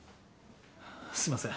すいません